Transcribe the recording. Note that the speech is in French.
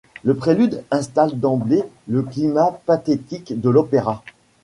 Le prélude installe d'emblée le climat pathétique de l'opéra.